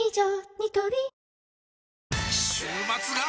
ニトリ週末が！！